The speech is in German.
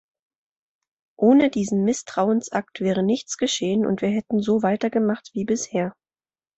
Ohne diesen Misstrauensakt wäre nichts geschehen, und wir hätten so weitergemacht wie bisher.